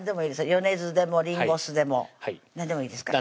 米酢でもりんご酢でも何でもいいですか？